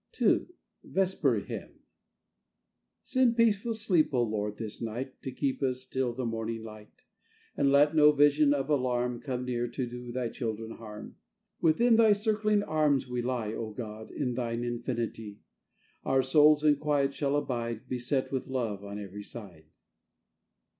II. VESPER HYMNSend peaceful sleep, O Lord, this night, To keep us till the morning light; And let no vision of alarmCome near to do Thy children harmWithin Thy circling arms we lie,O God, in Thine infinity; Our souls in quiet shall abideBeset with love on every side.